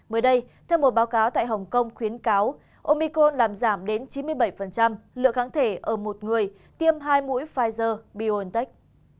mới đây theo một báo cáo tại hồng kông khuyến cáo omico làm giảm đến chín mươi bảy lượng kháng thể ở một người tiêm hai mũi pfizer biontech